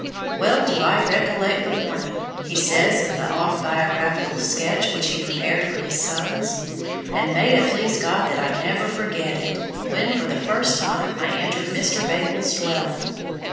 "Well do I recollect the morning," he says in the autobiographical sketch which he prepared for his sons, "and may it please God that I never forget it, when for the first time I entered Mr. Bakewell's dwelling.